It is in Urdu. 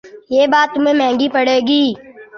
یہ بات تمہیں مہنگی پڑے گی